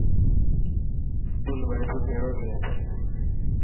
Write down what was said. اسڪول ۾ اڄ ڪهڙو ڏينهن هتو.